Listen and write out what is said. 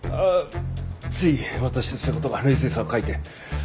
つい私とした事が冷静さを欠いて。